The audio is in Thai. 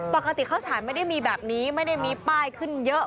ปกติข้าวสารไม่ได้มีแบบนี้ไม่ได้มีป้ายขึ้นเยอะ